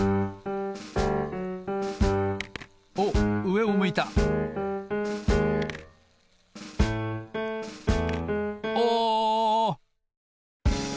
おっうえを向いたお！